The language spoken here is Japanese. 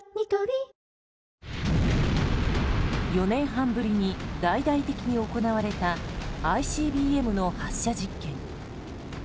４年半ぶりに大々的に行われたＩＣＢＭの発射実験。